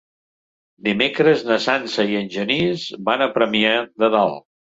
Dimecres na Sança i en Genís van a Premià de Dalt.